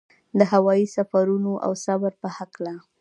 د هوايي سفرونو او صبر په هکله.